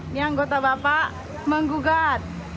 ini anggota bapak menggugat